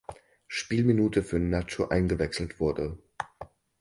Spielminute für Nacho eingewechselt wurde.